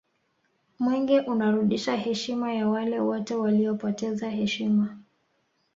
mwenge unarudisha heshima ya wale wote waliopoteza heshima